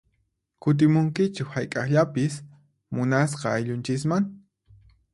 Kutimunkichu hayk'aqllapis munasqa ayllunchisman?